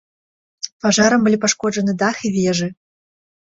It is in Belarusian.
Пажарам былі пашкоджаны дах і вежы.